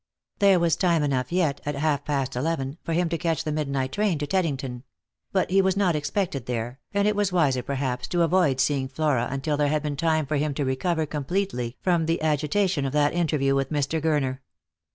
There was time enough yet, at half past eleven, for him to catch the midnight train to Tedding ton ; but he was not expected there, and it was wiser perhaps to avoid seeing Flora until there had been time for him to recover completely from the agitation of that interview with Mr. Gur ner.